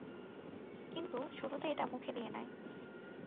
কিন্তু শুরুতে এটা মুখে দিয়ে নেয়।